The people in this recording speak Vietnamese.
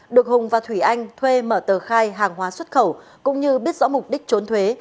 được hùng và thủy anh thuê mở tờ khai hàng hóa xuất khẩu cũng như biết rõ mục đích trốn thuế